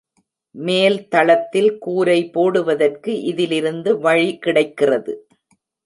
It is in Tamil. மேல்தளத்தில் கூரை போடுவதற்கு இதிலிருந்து வழி கிடைக்கிறது.